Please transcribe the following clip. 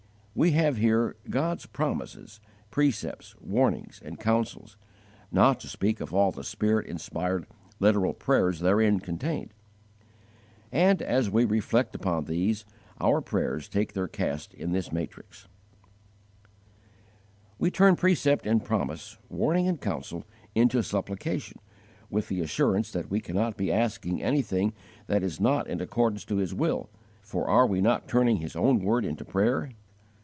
We have here God's promises, precepts, warnings, and counsels, not to speak of all the Spirit inspired literal prayers therein contained; and, as we reflect upon these, our prayers take their cast in this matrix. We turn precept and promise, warning and counsel into supplication, with the assurance that we cannot be asking anything that is not according to His will,* for are we not turning His own word into prayer?